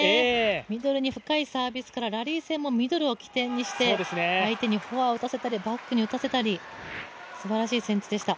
ミドルに深いサービスからラリー戦もミドルを起点にして相手にフォアを打たせたり、バックに打たせたり、すばらしい戦術でした。